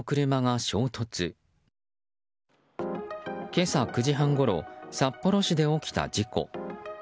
今朝９時半ごろ札幌市で起きた事故。